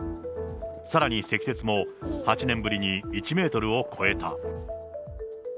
さらに積雪も８年ぶりに１メートルを超えた。